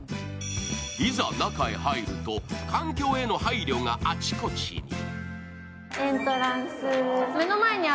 いざ中へ入ると、環境への配慮があちこちに。